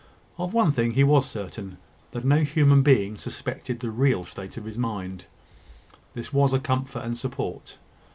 Of one thing he was certain that no human being suspected the real state of his mind. This was a comfort and support.